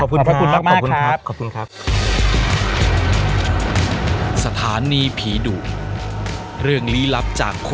ขอบคุณมากครับ